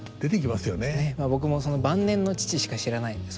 僕も晩年の父しか知らないので。